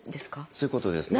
そういうことですね。